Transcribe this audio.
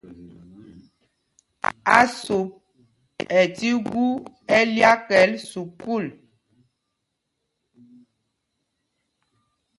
Ásup ɛ tí gú ɛ́lyákɛl sukûl.